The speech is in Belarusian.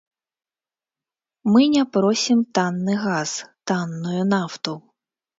Мы не просім танны газ, танную нафту.